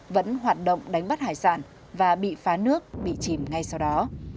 vẫn hoạt động đánh bắt hải sản và bị phá nước bị chìm ngay sau đó